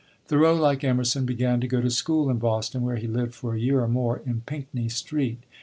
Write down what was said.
Thoreau, like Emerson, began to go to school in Boston, where he lived for a year or more in Pinckney Street.